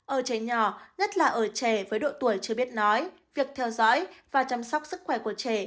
ở trẻ nhỏ nhất là ở trẻ với độ tuổi chưa biết nói việc theo dõi và chăm sóc sức khỏe của trẻ